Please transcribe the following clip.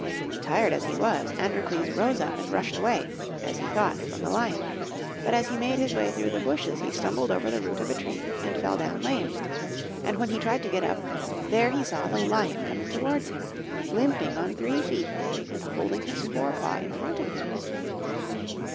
Tired as he was Androcles rose up and rushed away, as he thought, from the lion; but as he made his way through the bushes he stumbled over the root of a tree and fell down lamed, and when he tried to get up there he saw the lion coming towards him, limping on three feet and holding his fore paw in front of him.